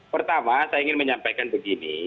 pertama saya ingin menyampaikan begini